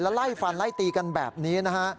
ไล่ฟันไล่ตีกันแบบนี้นะฮะ